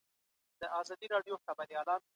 مرتد هم د خپل جنایت په سبب سزا ویني.